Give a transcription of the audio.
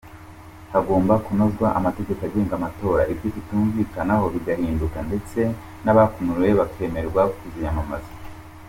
Hagomba kunozwa amategeko agenga amatora ibyo batumvikanagaho bigahinduka ndetse n’abakumiriwe bakemererwa kuziyamamaza.